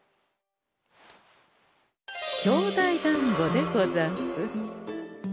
兄弟だんごでござんす。